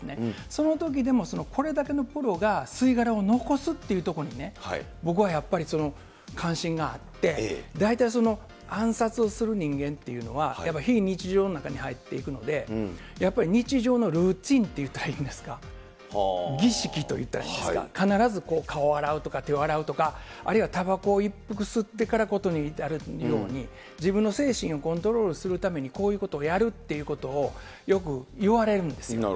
そのときでもこれだけのプロが吸い殻を残すっていうとこにね、僕はやっぱり関心があって、大体暗殺をする人間っていうのは、やっぱ非日常の中に入っていくので、やっぱり日常のルーティンって言ったらいいんですか、儀式といったらいいんですか、必ず、顔を洗うとか、手を洗うとか、あるいはたばこを一服吸ってから事に至るように、自分の精神をコントロールするためにこういうことをやるっていうことを、よくいわれるんですよ。